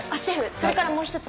それからもう一つ。